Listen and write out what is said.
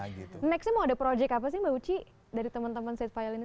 nextnya mau ada proyek apa sih mbak uci dari teman teman sedefayal ini